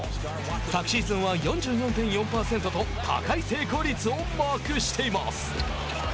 昨シーズンは４４．４％と高い成功率をマークしています。